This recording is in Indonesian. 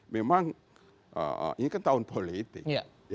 memang ini kan tahun politik